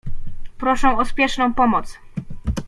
Proszą o spieszną pomoc.